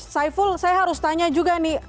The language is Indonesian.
saiful saya harus tanya juga nih